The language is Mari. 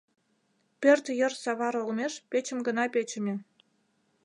Пӧрт йыр савар олмеш печым гына печыме.